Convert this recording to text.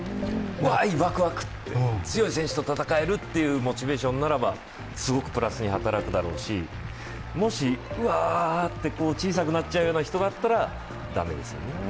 わーい、ワクワク、強い選手と戦えるというモチベーションならばすごくプラスに働くだろうしもし、うわって小さくなっちゃうような人だったら駄目ですよね。